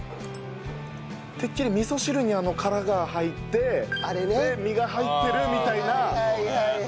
てっきり味噌汁に殻が入ってで身が入ってるみたいなあれだと思ったら。